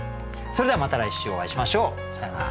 それではまた来週お会いしましょう。さようなら。